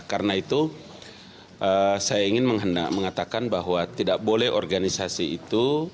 karena itu saya ingin mengatakan bahwa tidak boleh organisasi itu